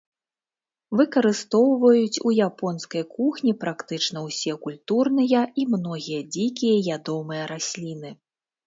Выкарыстоўваюць у японскай кухні практычна ўсе культурныя і многія дзікія ядомыя расліны.